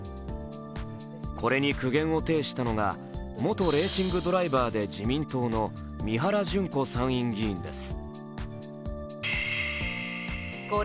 これに苦言を呈したのは元レーシングドライバーで自民党の三原じゅん子参院議員です。